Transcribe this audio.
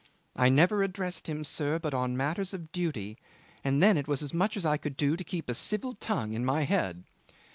I never addressed him, sir, but on matters of duty, and then it was as much as I could do to keep a civil tongue in my head."